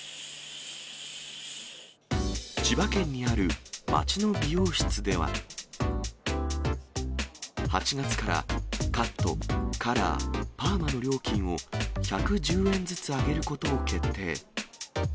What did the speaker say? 千葉県にある街の美容室では、８月からカット、カラー、パーマの料金を、１１０円ずつ上げることを決定。